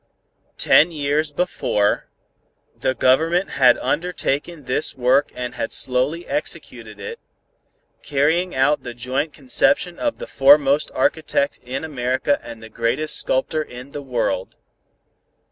Ten years before, the Government had undertaken this work and had slowly executed it, carrying out the joint conception of the foremost architect in America and the greatest sculptor in the world.